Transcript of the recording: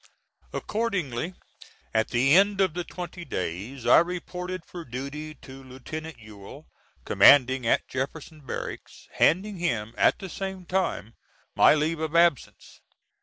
Accordingly, at the end of the twenty days, I reported for duty to Lieutenant Ewell, commanding at Jefferson Barracks, handing him at the same time my leave of absence.